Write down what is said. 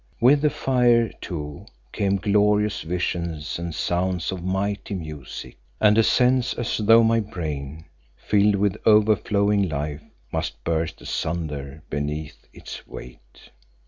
With the fire too came glorious visions and sounds of mighty music, and a sense as though my brain, filled with over flowing life, must burst asunder beneath its weight.